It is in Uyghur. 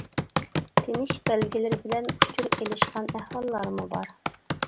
تىنىش بەلگىلىرى بىلەن ئۇچۇر ئېلىشقان ئەھۋاللارمۇ بار.